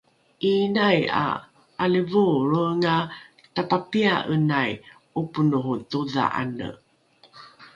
’iinai ’a ’alivoolroenga tapapia’enai ’oponoho todha’ane